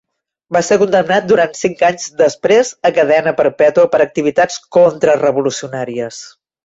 Va ser condemnat durant cinc anys després a cadena perpètua per activitats contrarevolucionàries.